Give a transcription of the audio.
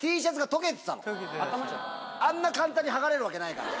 あんな簡単に剥がれるわけないから。